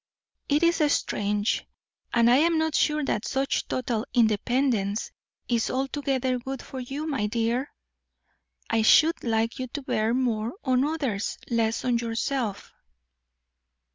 "It is strange; and I am not sure that such total independence is altogether good for you, my dear. I should like you to bear more on others, less on yourself."